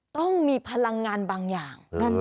ต้องมีพลังงานบางอย่าง